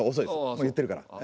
もう言ってるから。